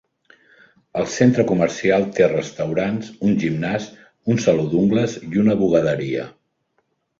El centre comercial té restaurants, un gimnàs, un saló d'ungles i una bugaderia.